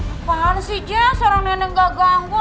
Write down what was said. apaan sih jah seorang nenek gak ganggu